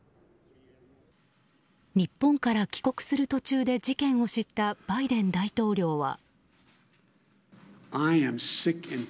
日本から帰国する途中で事件を知ったバイデン大統領は。